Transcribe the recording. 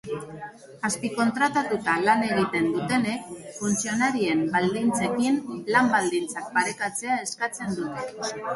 Azpikontratatuta lan egiten dutenek funtzionarien baldintzekin lan baldintzak parekatzea eskatzen dute.